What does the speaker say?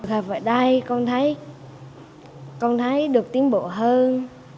học ở đây con thấy được tiến bộ hơn